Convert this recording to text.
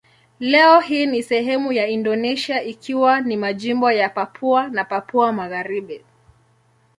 Leo hii ni sehemu ya Indonesia ikiwa ni majimbo ya Papua na Papua Magharibi.